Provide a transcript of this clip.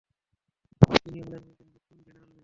ইনি হলেন আমাদের নতুন জেনারেল ম্যানেজার।